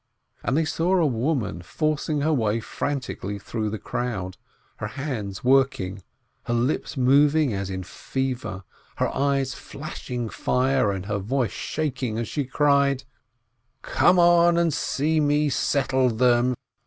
And they saw a woman forcing her way frantically through the crowd, her hands working, her lips moving as in fever, her eyes flashing fire, and her voice shaking as she cried : "Come on and see me settle them